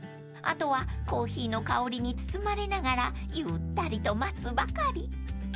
［あとはコーヒーの香りに包まれながらゆったりと待つばかり］